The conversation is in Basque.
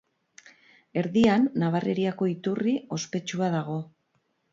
Erdian Nabarreriako iturri ospetsua dago.